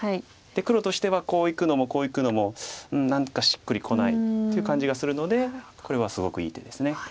で黒としてはこういくのもこういくのも「うん何かしっくりこない」っていう感じがするのでこれはすごくいい手です。